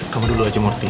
kamu duluan aja morty